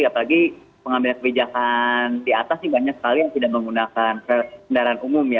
apalagi pengambilan kebijakan di atas ini banyak sekali yang tidak menggunakan kendaraan umum ya